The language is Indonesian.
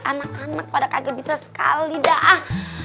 anak anak pada kaget bisa sekali dah